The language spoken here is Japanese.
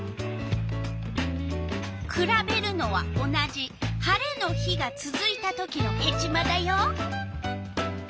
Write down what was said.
くらべるのは同じ晴れの日がつづいたときのヘチマだよ。